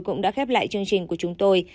cũng đã khép lại chương trình của chúng tôi